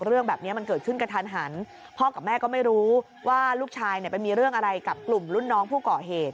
เรื่องแบบนี้มันเกิดขึ้นกระทันหันพ่อกับแม่ก็ไม่รู้ว่าลูกชายเนี่ยไปมีเรื่องอะไรกับกลุ่มรุ่นน้องผู้ก่อเหตุ